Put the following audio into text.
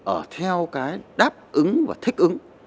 ở theo cái đáp ứng và thích ứng